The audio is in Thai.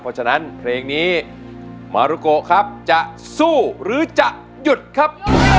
เพราะฉะนั้นเพลงนี้มารุโกครับจะสู้หรือจะหยุดครับ